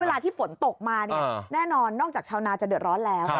เวลาที่ฝนตกมาเนี่ยแน่นอนนอกจากชาวนาจะเดือดร้อนแล้ว